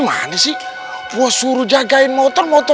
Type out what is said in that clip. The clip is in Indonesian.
aku jangan taro